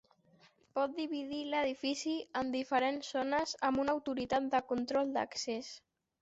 Pot dividir l'edifici en diferents zones amb una autoritat de control d'accés.